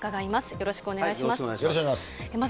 よろしくお願いします。